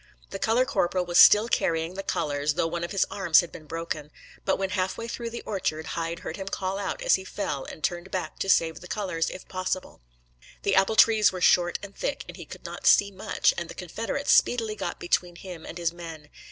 The color corporal was still carrying the colors, though one of his arms had been broken; but when half way through the orchard, Hyde heard him call out as he fell, and turned back to save the colors, if possible. The apple trees were short and thick, and he could not see much, and the Confederates speedily got between him and his men.